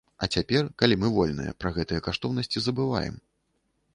А цяпер, калі мы вольныя, пра гэтыя каштоўнасці забываем.